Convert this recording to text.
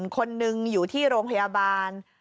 คนนึงอยู่ที่โรงพยาบาล